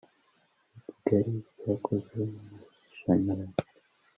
yikigali cyakuze mumashanyarazi